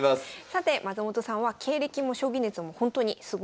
さて松本さんは経歴も将棋熱もほんとにすごい方なんです。